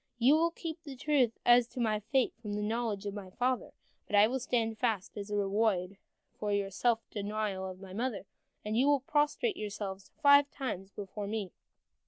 You will keep the truth as to my fate from the knowledge of my father, but I will stand fast as a reward for the self denial of my mother, and you will prostrate yourselves five times before me."